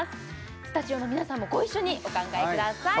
スタジオの皆さんもご一緒にお考えください